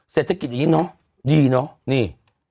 เศรษฐกิจอย่างนี้เนอะดีเนอะนี่